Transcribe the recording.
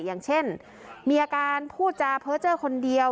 อย่างเช่นมีอาการพูดจาเพ้อเจอร์คนเดียว